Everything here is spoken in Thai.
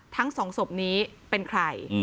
ทั้งสองศพนี้เป็นใคร